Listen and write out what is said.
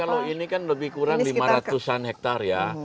kalau ini kan lebih kurang lima ratus an hektare ya